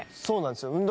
そうなんですよ。